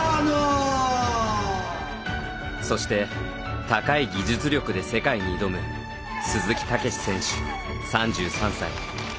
そして、高い技術力で世界に挑む鈴木猛史選手、３３歳。